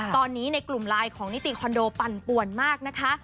ตอนนี้ในกลุ่มไลน์ของนิติคอนโดปั่นป่วนมากนะคะ